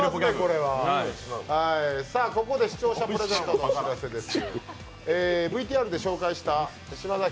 ここで視聴者プレゼントの話です。